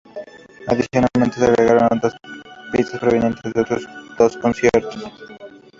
Adicionalmente se agregaron otras pistas provenientes de otros dos conciertos.